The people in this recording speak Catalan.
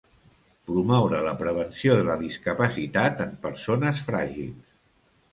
Promoure la prevenció de la discapacitat en persones fràgils.